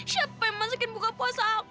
siapa yang masakin buka puasa aku